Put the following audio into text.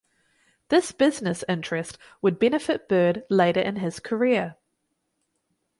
This business interest would benefit Bird later in his career.